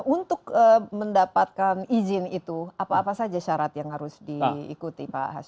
untuk mendapatkan izin itu apa apa saja syarat yang harus diikuti pak hashi